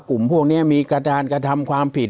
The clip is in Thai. กลุ่มพวกนี้มีการกระทำความผิด